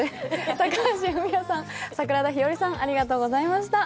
高橋文哉さん、桜田ひよりさんありがとうございました。